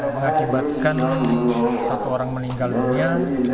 mengakibatkan satu orang meninggal dunia